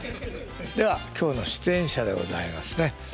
では今日の出演者でございますね。